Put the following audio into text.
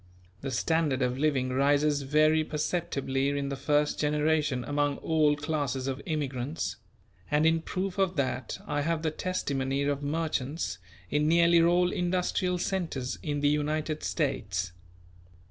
The standard of living rises very perceptibly in the first generation among all classes of immigrants; and in proof of that I have the testimony of merchants in nearly all industrial centres in the United States.